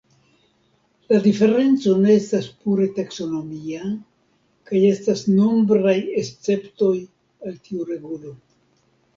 La diferenco ne estas pure taksonomia kaj estas nombraj esceptoj al tiu regulo.